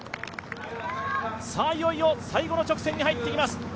いよいよ最後の直線に入ってきます。